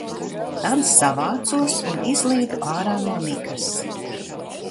Tad savācos un izlīdu ārā no migas.